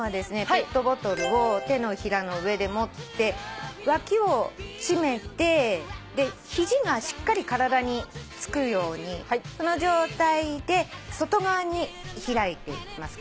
ペットボトルを手のひらの上で持って脇をしめて肘がしっかり体につくようにその状態で外側に開いていきます。